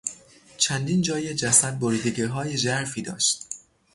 چندین جای جسد بریدگیهای ژرفی داشت.